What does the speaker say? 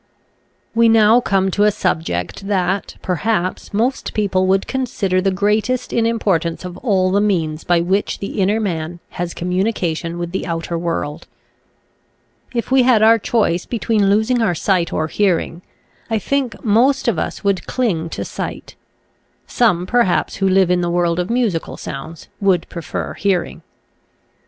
We now come to a subject that, perhaps, most people would consider the greatest in importance of all the means by which the inner man has communication with the outer world. If we had our choice between losing our sight or hearing I think most of us would cling to sight. Some perhaps who live in the world of musical sounds would prefer hear ing.